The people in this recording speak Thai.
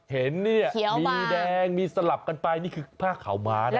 เห็นเนี่ยมีแดงมีสลับกันไปนี่คือผ้าขาวม้านะ